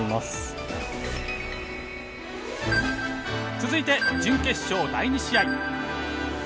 続いて準決勝第２試合。